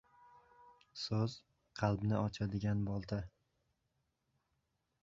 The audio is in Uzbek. • So‘z — qalbni ochadigan bolta.